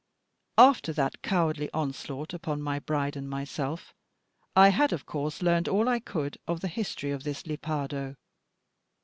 After that cowardly onslaught upon my bride and myself, I had of course learned all I could of the history of this Lepardo.